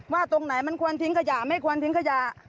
ตรงไหนมันควรทิ้งขยะไม่ควรทิ้งขยะ